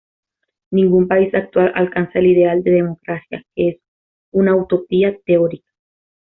Ningún país actual alcanza el ideal de democracia, que es una utopía teórica.